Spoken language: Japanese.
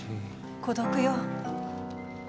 孤独よ。